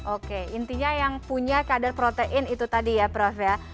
oke intinya yang punya kadar protein itu tadi ya prof ya